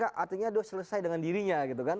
artinya selesai dengan dirinya